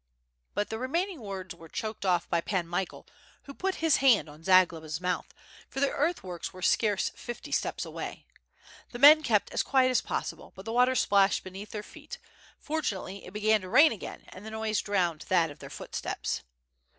..." But tha remaining words were choked off by Pan Michael, who put his hand on Zagloba's mouth, for the earthworks were scarce fifty steps away. The men kept as quiet as pos sible, but the water splashed beneath their feet: fortunately it began to rain again and the noise drowned that of their footsteps.